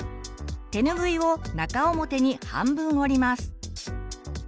てぬぐいを中表に半分折ります。